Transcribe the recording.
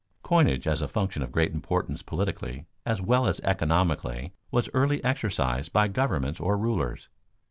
_ Coinage as a function of great importance politically as well as economically was early exercised by governments or rulers.